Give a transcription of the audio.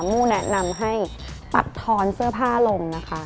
มู่แนะนำให้ตัดทอนเสื้อผ้าลงนะคะ